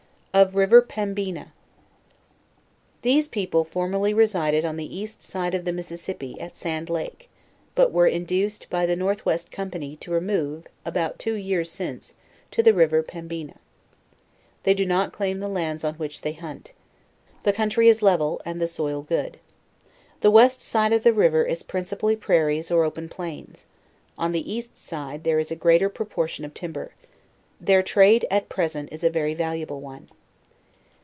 OF RIVER PEMBENA. These people formerly resided on he east side of the Mississippi, at Sand lake, but were indu ced, by the north west company, to remove, about two years since, to the river Pembon^. They do not claim the lands on which they hunt. The country is level and the soil good. The west side of the river is principally prairies or open plains; on the east side there if a greater proportion of timber. . Their trade at present is a very valuable one.